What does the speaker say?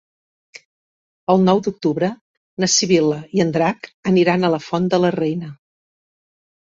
El nou d'octubre na Sibil·la i en Drac aniran a la Font de la Reina.